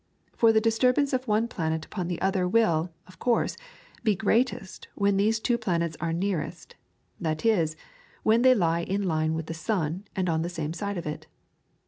For the disturbance of one planet upon the other will, of course, be greatest when those two planets are nearest, that is, when they lie in line with the sun and on the same side of it.